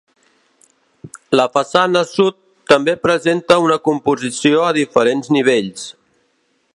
La façana sud, també presenta una composició a diferents nivells.